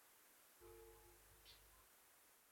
民族主义共产党是印度北方邦的一个左翼政党。